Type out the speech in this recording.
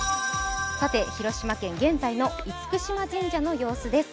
広島県、現在の厳島神社の様子です。